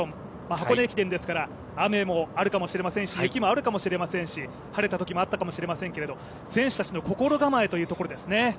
箱根駅伝ですから、雨もあるかもしれませんし雪もあったかもしれませんし晴れたときもあったかもしれませんけれども選手たちの心構えといったところですよね。